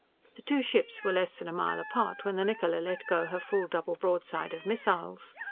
The two ships were less than a mile apart when the Niccola let go her full double broadside of missiles.